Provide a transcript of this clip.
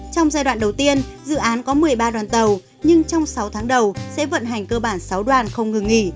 trong giai đoạn đầu tiên dự án có một mươi ba đoàn tàu nhưng trong sáu tháng đầu sẽ vận hành cơ bản sáu đoàn không ngừng nghỉ